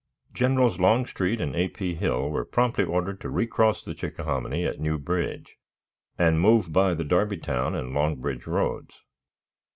Generals Longstreet and A. P. Hill were promptly ordered to recross the Chickahominy at New Bridge, and move by the Darbytown and Long Bridge roads.